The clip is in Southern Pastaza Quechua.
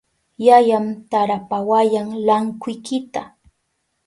Yayan tarawapayan lankwikita.